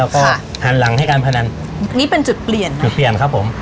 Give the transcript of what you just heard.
แล้วก็หันหลังให้การพนันนี่เป็นจุดเปลี่ยนจุดเปลี่ยนครับผม